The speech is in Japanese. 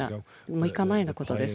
６日前のことです。